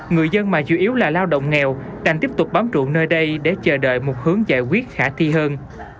người dân mà chủ yếu là lao động nghèo đành tiếp tục bám trụ nơi đây để chờ đợi một hướng giải quyết khả thi hơn